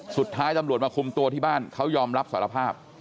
สุดท้ายตำรวจมาคุมตัวที่บ้านเขายอมรับสารภาพ